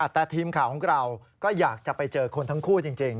แต่ทีมข่าวของเราก็อยากจะไปเจอคนทั้งคู่จริง